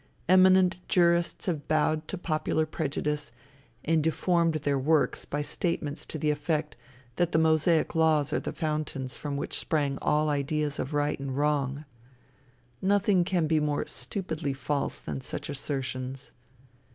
Eminent jurists have bowed to popular prejudice, and deformed their works by statements to the effect that the Mosaic laws are the fountains from which sprang all ideas of right and wrong. Nothing can be more stupidly false than such assertions.